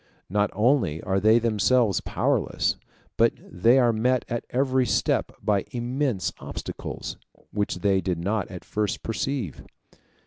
Not only are they themselves powerless, but they are met at every step by immense obstacles, which they did not at first perceive.